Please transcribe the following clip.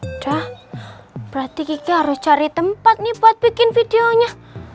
udah berarti kiki harus cari tempat nih buat bikin videonya